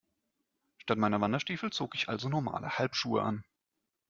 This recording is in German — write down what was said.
Statt meiner Wanderstiefel zog ich also normale Halbschuhe an.